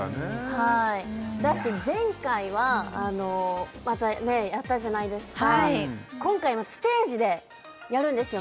はいだし前回はまたねえやったじゃないですか今回もステージでやるんですよ